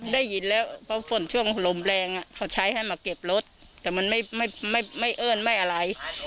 ได้ยินแล้วเพราะฝนช่วงลมแรงเขาใช้ให้มาเก็บรถแต่มันไม่เอิ้นไม่อะไร